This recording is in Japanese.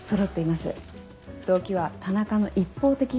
動機は田中の一方的な。